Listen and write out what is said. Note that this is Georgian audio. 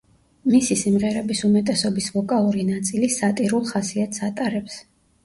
მისი სიმღერების უმეტესობის ვოკალური ნაწილი სატირულ ხასიათს ატარებს.